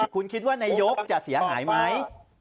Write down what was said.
คุณคิดว่านายกจะเสียหายไหม